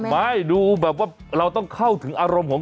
หลังจาน